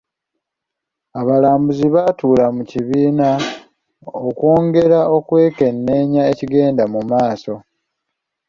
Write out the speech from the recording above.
Abalambuzi baatuula mu kibiina okwongera okwekenneenya ekigenda mu maaso.